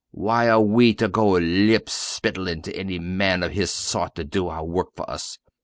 Why are we to go lickspittlin' to any man of his sort to do our work for us?